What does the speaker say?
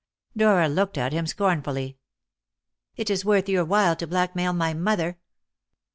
Dora looked at him scornfully. "It is worth your while to blackmail my mother!"